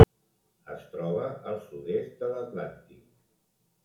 Es troba al sud-est de l'Atlàntic.